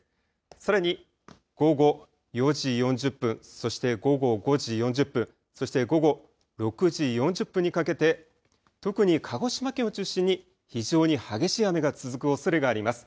さらに午後４時４０分そして午後５時４０分、そして午後６時４０分にかけて特に鹿児島県を中心に非常に激しい雨が続くおそれがあります。